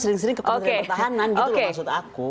sering sering ke partai pertahanan gitu maksud aku